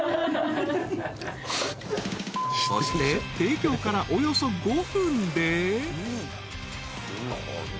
［そして提供からおよそ５分で］